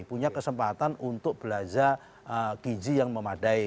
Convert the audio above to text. punya kesempatan untuk belajar gizi yang memadai